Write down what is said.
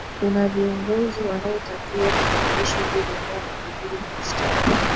kuna viongozi wanaotakiwa kupandishwa kizimbani kujibu mashtaka